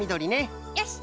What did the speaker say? よし！